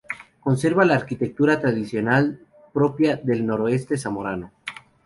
Conserva la arquitectura tradicional propia del noroeste zamorano.